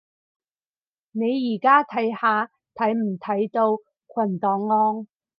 你而家睇下睇唔睇到群檔案